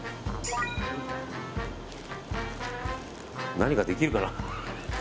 何かできるかな。